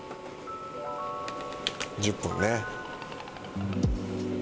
１０分ね。